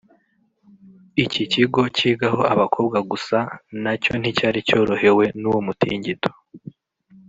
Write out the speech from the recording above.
Iki kigo kigaho abakobwa gusa nacyo nticyari cyorohewe n’uwo mutingito